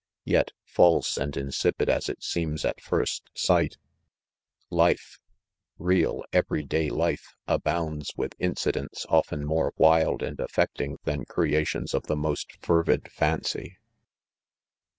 Yet, false and insipid as it seems at first sight, — life — real, every day life, abounds with incidents often more wild and affecting than creations of the most fer vid fancy.